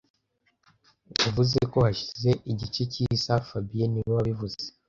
Wavuze ko hashize igice cy'isaha fabien niwe wabivuze